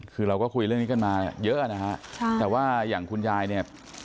คือเราก็คุยเรื่องนี้กันมาเยอะนะฮะใช่แต่ว่าอย่างคุณยายเนี่ย